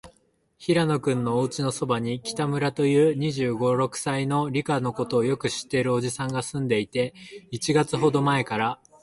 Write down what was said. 平野君のおうちのそばに、北村という、二十五、六歳の、理科のことをよく知っているおじさんがすんでいて、一月ほどまえから、